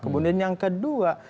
kemudian yang kedua